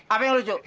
apa yang lucu